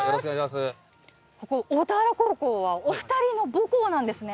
ここ大田原高校はお二人の母校なんですね。